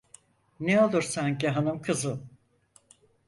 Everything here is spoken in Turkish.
Ne olur sanki, hanım kızım…